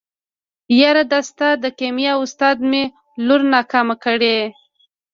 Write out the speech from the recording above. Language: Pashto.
يره دا ستا د کيميا استاد مې لور ناکامه کړې.